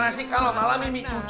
nasi kalau malam ini cuci